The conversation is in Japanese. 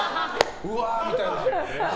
うわーみたいな。